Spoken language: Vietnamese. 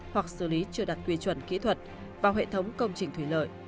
hoặc xử lý chưa đặt quy chuẩn kỹ thuật vào hệ thống công trình thủy lợi